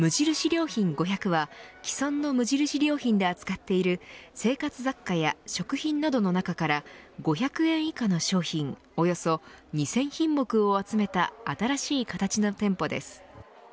良品５００は既存の無印良品で扱っている生活雑貨や食品などの中から５００円以下の商品およそ２０００品目を集めた新しい形の店舗です。